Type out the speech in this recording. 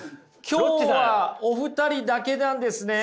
今日はお二人だけなんですね。